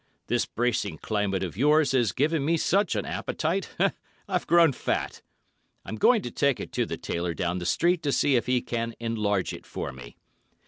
"This bracing climate of yours has given me such an appetite, I've grown fat. I'm going to take it to the tailor down the street to see if he can enlarge it for me.